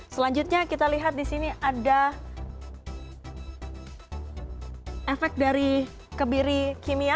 selanjutnya kita lihat di sini ada efek dari kebiri kimia